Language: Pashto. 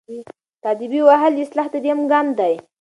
تاديبي وهل د اصلاح دریم ګام دی.